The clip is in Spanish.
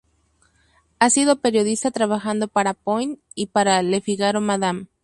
Ha sido periodista trabajando para "Point" y para "Le Figaro Madame".